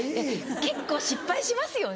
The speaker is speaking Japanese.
結構失敗しますよね。